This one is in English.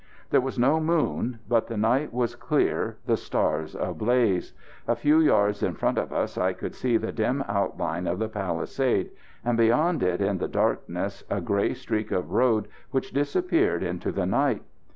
There was no moon, but the night was clear, the stars ablaze. A few yards in front of us I could see the dim outline of the palisade, and, beyond it in the darkness, a grey streak of road which disappeared into the night.